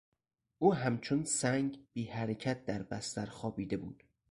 او همچون سنگ بیحرکت در بستر خوابیده بود.